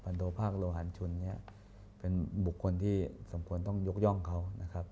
โทภาคโลหันชุนเนี่ยเป็นบุคคลที่สมควรต้องยกย่องเขานะครับ